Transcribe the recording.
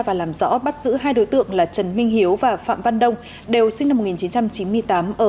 và làm rõ bắt giữ hai đối tượng là trần minh hiếu và phạm văn đông đều sinh năm một nghìn chín trăm chín mươi tám ở